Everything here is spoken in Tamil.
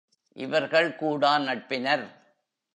இவர்கள் கூடா நட்பினர்.